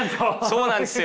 そうなんですよ。